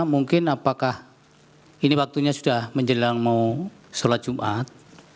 mungkin apakah ini waktunya sudah menjelang mau sholat jumat